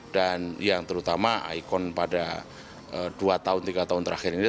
dan yang terutama ikon pada dua tiga tahun terakhir ini